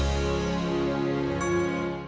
apa yang kamu disini